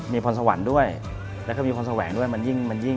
มีพรสวรรค์ด้วยแล้วก็มีพรสวรรค์แหวงด้วย